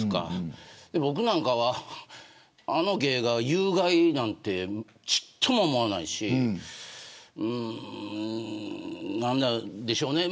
僕なんかは、あの芸が有害なんてちっとも思わないしなんなんでしょうね。